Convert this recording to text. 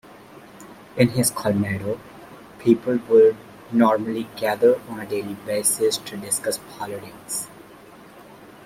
In his Colmado, people would normally gather on a daily basis to discuss politics.